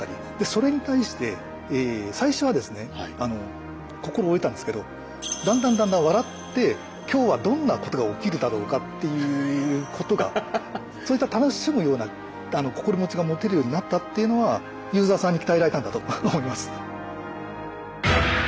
それに対して最初はですね心折れたんですけどだんだんだんだん笑って今日はどんなことが起きるだろうかっていうことがそういった楽しむような心持ちが持てるようになったっていうのはユーザーさんに鍛えられたんだと思います。